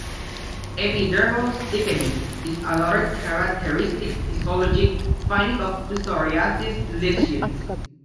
Epidermal thickening is another characteristic histologic finding of psoriasis lesions.